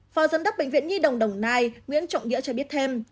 phó giám đốc bệnh viện nhi đồng đồng nai nguyễn trọng nghĩa cho biết thêm